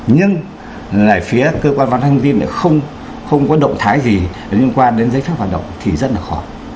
nhưng lại phía cơ quan văn thông tin lại không có động thái gì liên quan đến giấy phép hoạt động thì rất là khó